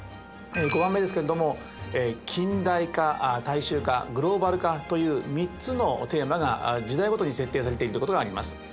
５番目ですけれども近代化大衆化グローバル化という３つのテーマが時代ごとに設定されているということがあります。